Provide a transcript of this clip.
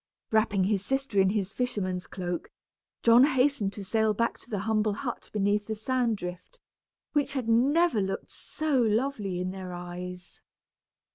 Wrapping his sister in his fisherman's cloak, John hastened to sail back to the humble hut beneath the sand drift, which had never looked so lovely in their eyes.